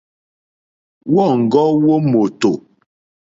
Wɔ̌ŋɡɔ́ wó mòtò.